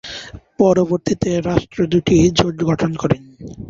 পরবর্তিতে রাষ্ট্র দুটি জোট গঠন করে।